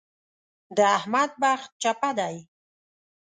د احمد بخت چپه دی.